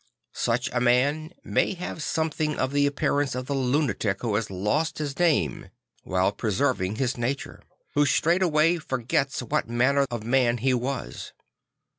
Such a man may have something of the appearance of the lunatic who has lost his name while pre 9 0 St. Francis of Assisi serving his nature; who straightway forgets what manner of man he was.